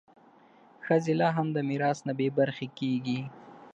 ښځې لا هم د میراث نه بې برخې کېږي.